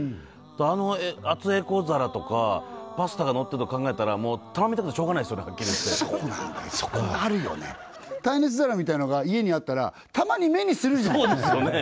あのあつエコ皿とかパスタがのってると考えたらもう頼みたくてしょうがないすよはっきり言ってそこなるよね耐熱皿みたいのが家にあったらたまに目にするじゃんそうですよね